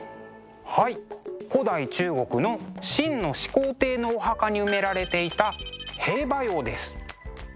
はい古代中国の秦の始皇帝のお墓に埋められていた兵馬俑です。